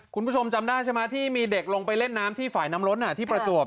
คุณผู้ชมจำได้ใช่ไหมที่มีเด็กลงไปเล่นน้ำที่ฝ่ายน้ำล้นที่ประจวบ